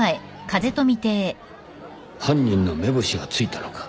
犯人の目星が付いたのか？